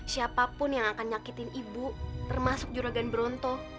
siapapun yang akan nyakitin ibu termasuk juragan bronto